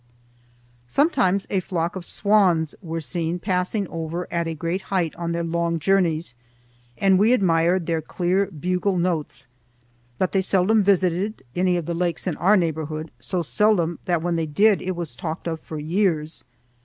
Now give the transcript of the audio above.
Sometimes a flock of swans were seen passing over at a great height on their long journeys, and we admired their clear bugle notes, but they seldom visited any of the lakes in our neighborhood, so seldom that when they did it was talked of for years.